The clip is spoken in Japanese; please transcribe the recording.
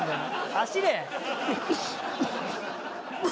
走れ！